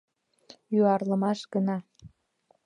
— Юарлымаш гына.